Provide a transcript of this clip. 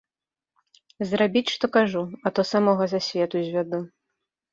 Зрабіць, што кажу, а то самога са свету звяду.